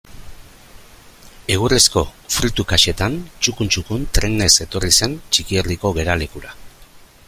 Egurrezko fruitu kaxetan txukun-txukun trenez etorri zen Txikierdiko geralekura.